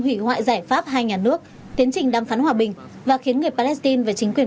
hủy hoại giải pháp hai nhà nước tiến trình đàm phán hòa bình và khiến người palestine và chính quyền